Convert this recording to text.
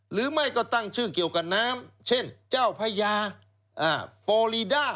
หรือไม่ก็ตั้งชื่อเกี่ยวกับน้ำเช่นเจ้าพญาฟอรีด้า